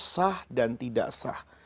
sah dan tidak sah